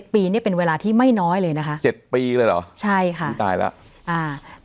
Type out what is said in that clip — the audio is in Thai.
ปีเนี่ยเป็นเวลาที่ไม่น้อยเลยนะคะ๗ปีเลยเหรอใช่ค่ะนี่ตายแล้วอ่า